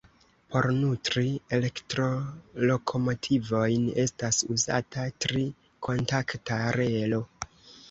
Por nutri elektrolokomotivojn estas uzata tri kontakta relo.